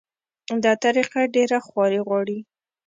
دا طریقه ډېره خواري غواړي.